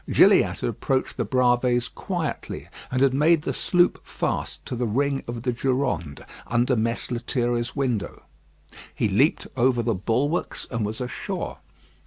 Gilliatt had approached the Bravées quietly, and had made the sloop fast to the ring of the Durande, under Mess Lethierry's window. He leaped over the bulwarks, and was ashore.